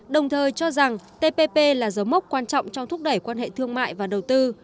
đồng thời cho rằng tpp là dấu mốc quan trọng trong thúc đẩy quan hệ thương mại và đầu tư